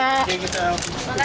ah gitu kan